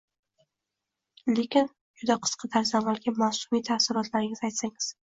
lekin juda qisqa tarzda avvalgi mavsum taassurotlaringni aytsang.